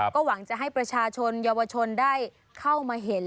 ก็หวังจะให้ประชาชนเยาวชนได้เข้ามาเห็น